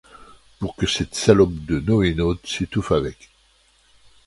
Pour que cette salope de NoéNaute s’étouffe avec.